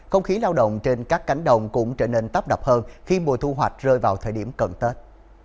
không khí lao động trên các cánh đồng cũng trở nên tấp đập hơn khi mùa thu hoạch rơi vào thời điểm cận tết